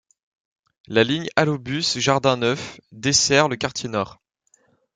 La ligne AlloBus Jardins Neufs, dessert le quartier Nord.